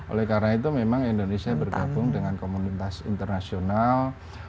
oleh karena itu memang indonesia bergabung dengan komunitas internasional